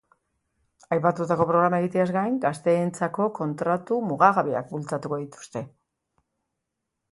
Aipatutako programa egiteaz gain, gazteentzako kontratu mugagabeak bultzatuko dituzte.